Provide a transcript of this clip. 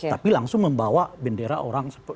tapi langsung membawa bendera orang